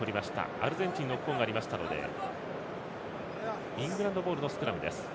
アルゼンチンノックオンがありましたのでイングランドボールのスクラム。